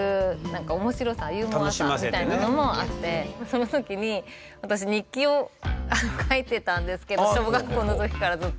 その時に私日記を書いてたんですけど小学校の時からずっと。